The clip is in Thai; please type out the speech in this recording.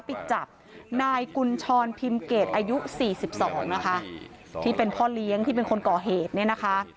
ไปจับนายกุญชรพิมเกตอายุสี่สิบสองนะคะที่เป็นพ่อเลี้ยงที่เป็นคนก่อเหตุเนี่ยนะคะ